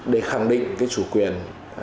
để khẳng định chủ quyền